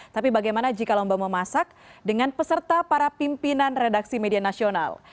tapi bagaimana jika lomba memasak dengan peserta para pimpinan redaksi media nasional